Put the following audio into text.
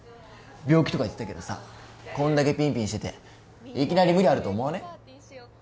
病気とか言ってたけどさこんだけぴんぴんしてていきなり無理あると思わね？